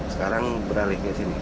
sekarang beralih ke sini